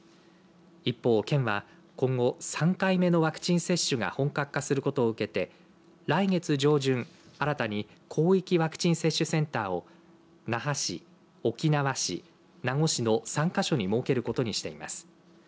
一方、県は今後３回目のワクチン接種が本格化することを受けて来月上旬、新たに広域ワクチン接種センターを那覇市、沖縄市名護市の３か所に設けることにしています。